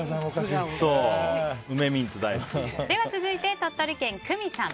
続いて、鳥取県の方。